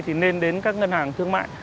thì nên đến các ngân hàng thương mại